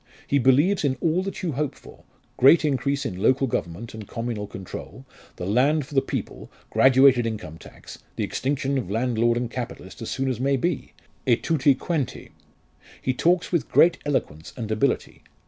He believes in all that you hope for great increase in local government and communal control the land for the people graduated income tax the extinction of landlord and capitalist as soon as may be e tutti quanti. He talks with great eloquence and ability.